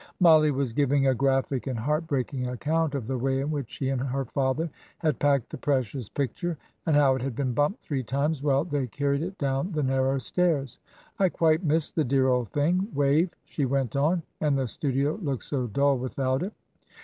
Mollie was giving a graphic and heart breaking account of the way in which she and her father had packed the precious picture, "and how it had been bumped three times while they carried it down the narrow stairs." "I quite missed the dear old thing, Wave," she went on, "and the studio looked so dull without it.